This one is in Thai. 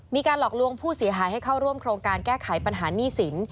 มีการหลอกลวงผู้เสียหายให้เข้าร่วมโครงการแก้ไขปัญหาหนี้สิน